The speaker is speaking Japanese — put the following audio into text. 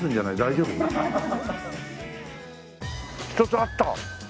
１つあった！